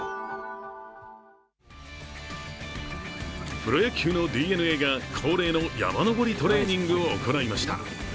プロ野球のＤｅＮＡが恒例の山登りトレーニングを行いました。